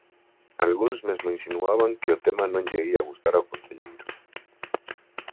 Algúns mesmo insinuaban que o tema non lle ía gustar ao concelleiro...